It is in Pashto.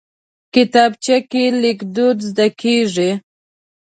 کتابچه کې لیک دود زده کېږي